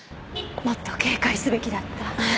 もっと警戒すべきだった。